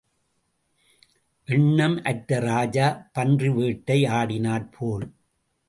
எண்ணம் அற்ற ராஜா பன்றிவேட்டை ஆடினாற்போல்.